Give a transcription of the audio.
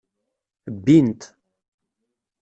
Bbin-t.